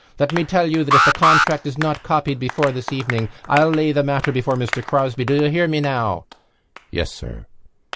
Let me tell you that if the contract is not copied before this evening I'll lay the matter before Mr Crosbie.... Do you hear me now?" "Yes, sir."